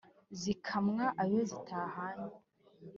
Zikamwa ayo zitahanye.